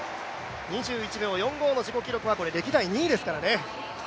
２１秒４５の自己記録は歴代２位ですからね。